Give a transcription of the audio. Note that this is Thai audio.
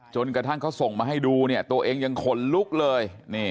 จนกระทั่งเขาส่งมาให้ดูเนี่ยตัวเองยังขนลุกเลย